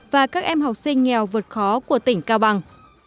và các em học sinh nghèo vượt khó của tỉnh cao bằng